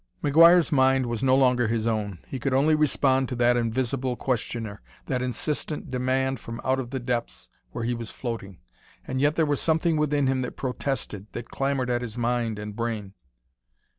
_ McGuire's mind was no longer his own; he could only respond to that invisible questioner, that insistent demand from out of the depths where he was floating. And yet there was something within him that protested, that clamored at his mind and brain.